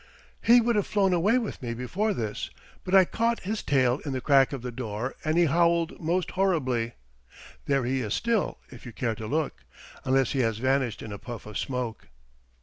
He would have flown away with me before this, but I caught his tail in the crack of the door, and he howled most horribly. There he is still, if you care to look, unless he has vanished in a puff of smoke."